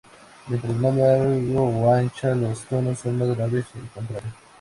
Mientras más larga o ancha, los tonos son más graves, y al contrario.